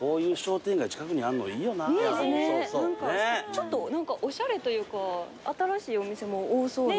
ちょっとおしゃれというか新しいお店も多そうな。